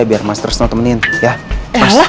biar master snow temenin ya